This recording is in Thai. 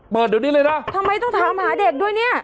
เดี๋ยวนี้เลยนะทำไมต้องถามหาเด็กด้วยเนี่ย